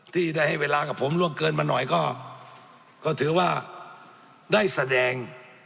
ที่ได้ให้เวลากับผมล่วงเกินมาหน่อยก็ถือว่าได้แสดง